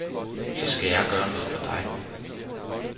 - så skal jeg gøre noget for dig!